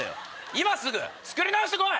今すぐ作り直して来い！